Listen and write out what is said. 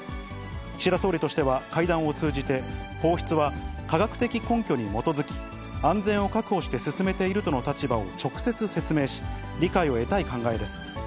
岸田総理としては会談を通じて、放出は科学的根拠に基づき、安全を確保して進めているとの立場を直接説明し、理解を得たい考えです。